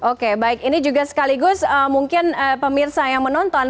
oke baik ini juga sekaligus mungkin pemirsa yang menonton